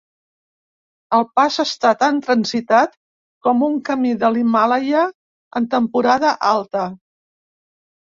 El pas està tan transitat com un camí de l'Himàlaia en temporada alta.